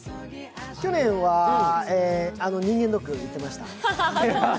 去年は人間ドックに行ってました。